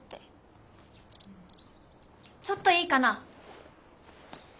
ちょっといいかな。